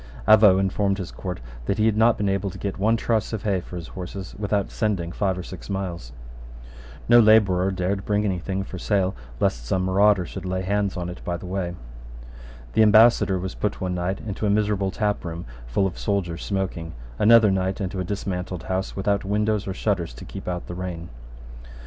Avaux informed his court that he had not been able to get one truss of hay for his horses without sending five or six miles. No labourer dared bring any thing for sale lest some marauder should lay hands on it by the way. The ambassador was put one night into a miserable taproom full of soldiers smoking, another night into a dismantled house without windows or shutters to keep out the rain.